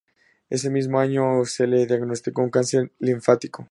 Ese mismo año se le diagnosticó un cáncer linfático.